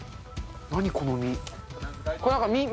何、この実。